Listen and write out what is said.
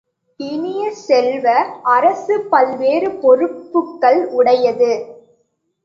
இனிய செல்வ, அரசு பல்வேறு பொறுப்புக்கள் உடையது.